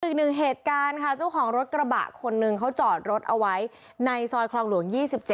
อีกหนึ่งเหตุการณ์ค่ะเจ้าของรถกระบะคนหนึ่งเขาจอดรถเอาไว้ในซอยคลองหลวง๒๗